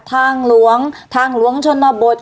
ทางหลวงทางหลวงชนบท